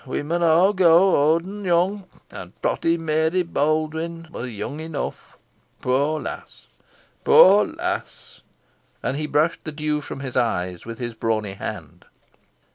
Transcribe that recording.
we mun aw go, owd an young owd an young an protty Meary Baldwyn went young enough. Poor lass! poor lass!" and he brushed the dew from his eyes with his brawny hand.